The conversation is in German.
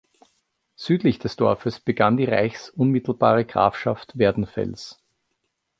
Südlich des Dorfes begann die reichsunmittelbare Grafschaft Werdenfels.